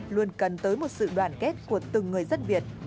luôn cần tới một sự đoàn kết của từng người dân việt